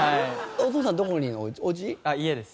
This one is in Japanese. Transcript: お父さんどこにいるの？